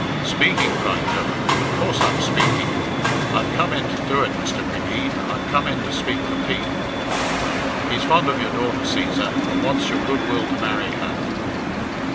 "Speaking!" cried Philip, "of course I'm speaking. I've come in to do it, Mr. Cregeen I've come in to speak for Pete. He's fond of your daughter, Cæsar, and wants your good will to marry her."